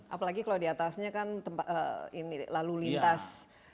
apalagi kalau di atasnya kan lalu lintas